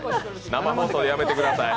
生放送でやめてください。